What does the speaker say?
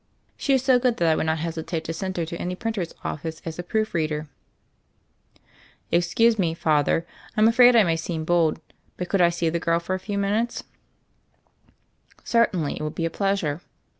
"She is so good that I would not hesitate to THE FAIRY OF THE SNOWS 205 send her to any printer's office as a proof reader." ''Excuse me, Father, Fm afraid I may seem bold; but could I see the girl for a few min* utes?" "Certainly; it will be a pleasure.'